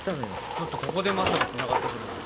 ちょっとここでまさかつながってくるなんて。